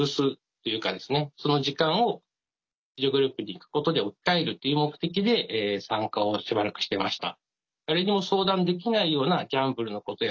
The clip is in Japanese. その時間を自助グループに行くことで置き換えるという目的で参加をしばらくしてました。